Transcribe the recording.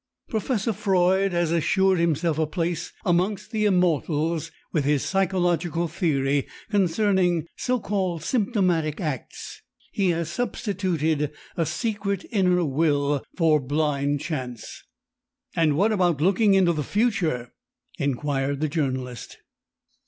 Professor Freud has assured himself a place amongst the immortals with his psychological theory concerning so called 'symptomatic acts.' He has substituted a 'secret inner will' for 'blind chance.'" "And what about looking into the future?" inquired the journalist.